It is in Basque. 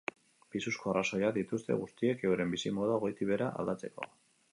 Pisuzko arrazoiak dituzte guztiek euren bizimodua goitik behera aldatzeko.